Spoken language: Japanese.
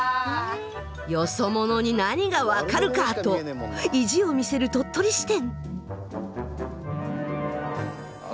「よそ者に何が分かるか！」と意地を見せる鳥取支店。